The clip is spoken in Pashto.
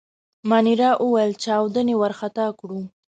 مانیرا وویل: چاودنې وارخطا کړو.